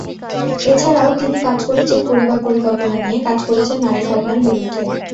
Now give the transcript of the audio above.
এছাড়াও, তিনি কাজ করেছেন পরিবার পরিকল্পনা নিয়ে, কাজ করেছেন নারী খৎনার বিরুদ্ধে।